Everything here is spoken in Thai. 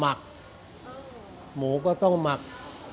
กล่าวค้านถึงกุ้ยเตี๋ยวลุกชิ้นหมูฝีมือลุงส่งมาจนถึงทุกวันนี้นั่นเองค่ะ